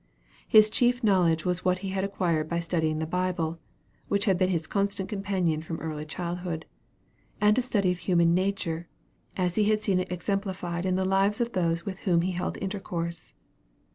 His chief knowledge was what he had acquired by studying the Bible (which had been his constant companion from early childhood,) and a study of human nature, as he had seen it exemplified in the lives of those with whom he held intercourse.